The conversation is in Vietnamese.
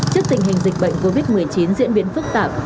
trước tình hình dịch bệnh covid một mươi chín diễn biến phức tạp